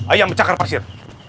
ayam cakar pasir